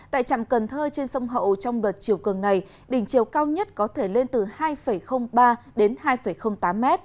tại trạm cần thơ trên sông hậu trong đợt chiều cường này đỉnh chiều cao nhất có thể lên từ hai ba m đến hai tám m